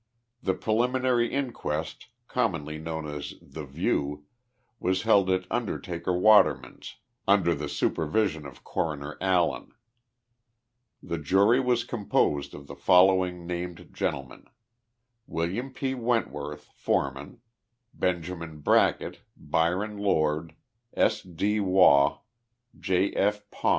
The preliminary inquest, commonly known as the view, was * held at Undertaker Waterman's, under the supervision of Coro ner Allen. The jury was composed of the following named gen tlemen : William P. Wentworth, foreman, Benjamin Bracket, Bvron Lord. S. D. Waugh. J. F.